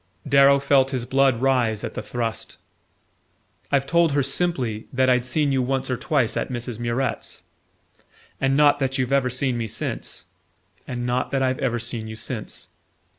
Darrow felt his blood rise at the thrust. "I've told her, simply, that I'd seen you once or twice at Mrs. Murrett's." "And not that you've ever seen me since?" "And not that I've ever seen you since..."